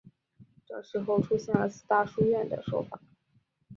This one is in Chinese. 这时候出现了四大书院的说法。